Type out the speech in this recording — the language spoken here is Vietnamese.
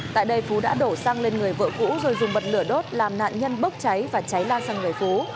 tại đây phú đã đổ xăng lên người vợ cũ rồi dùng bật lửa đốt làm nạn nhân bốc cháy và cháy lan sang người phú